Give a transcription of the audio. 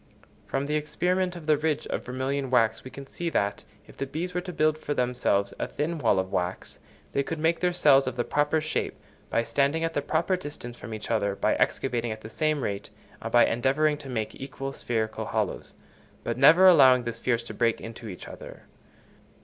From the experiment of the ridge of vermilion wax we can see that, if the bees were to build for themselves a thin wall of wax, they could make their cells of the proper shape, by standing at the proper distance from each other, by excavating at the same rate, and by endeavouring to make equal spherical hollows, but never allowing the spheres to break into each other.